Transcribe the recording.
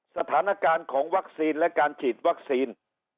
สถานการณ์ของวัคซีนและการฉีดวัคซีน